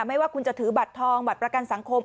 ไม่ว่าคุณจะถือบัตรทองบัตรประกันสังคม